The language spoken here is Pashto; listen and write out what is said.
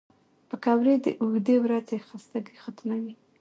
پکورې د اوږدې ورځې خستګي ختموي